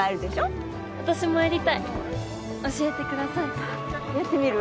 オッ私もやりたい教えてくださいやってみる？